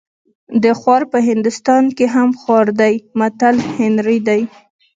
د خوار په هندوستان هم خوار دی متل هنري دی